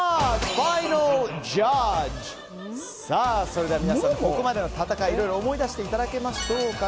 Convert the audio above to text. それでは皆さんここまでの戦いを、いろいろ思い出していただきましょう。